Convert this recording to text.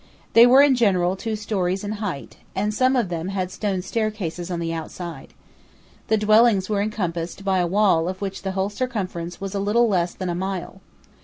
They were in general two stories in height; and some of them had stone staircases on the outside. The dwellings were encompassed by a wall of which the whole circumference was little less than a mile.